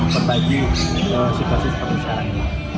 pertahanku situasi sekarang ini